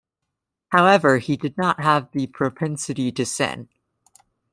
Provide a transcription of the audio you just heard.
However, he did not have the propensity to sin.